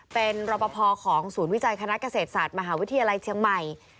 เป็นรปภของศูนย์วิจัยคณะเกษตรศาสตร์มหาวิทยาลัยเชียงใหม่